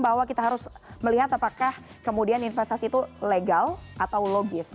bahwa kita harus melihat apakah kemudian investasi itu legal atau logis